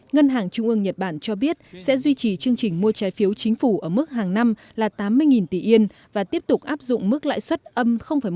ngân hàng trung ương nhật bản cho biết sẽ duy trì chương trình mua trái phiếu chính phủ ở mức hàng năm là tám mươi tỷ yên và tiếp tục áp dụng mức lãi suất âm một